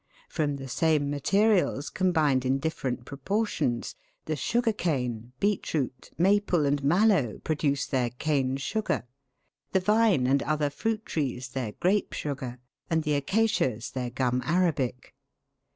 From the same materials, combined in different pro portions, the sugar cane, beet root, maple, and mallow, pro duce their cane sugar, the vine and other fruit trees their grape sugar, and the acacias their gum arabic.